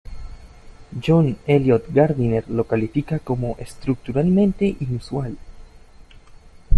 John Eliot Gardiner lo califica como "estructuralmente inusual".